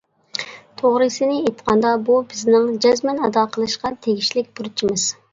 توغرىسىنى ئېيتقاندا، بۇ بىزنىڭ جەزمەن ئادا قىلىشقا تېگىشلىك بۇرچىمىز.